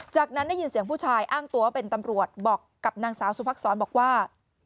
จากนั้นได้ยินเสียงผู้ชายอ้างตัวเป็นตำรวจบอกกับนางสาวสุภักษรบอกว่า